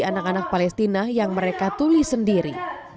anak anak palestina yang mereka tulis sendiri